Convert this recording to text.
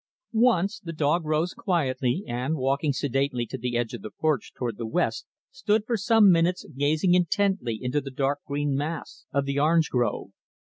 Once, the dog rose quietly, and, walking sedately to the edge of the porch toward the west, stood for some minutes gazing intently into the dark green mass of the orange grave.